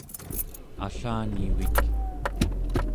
allanivik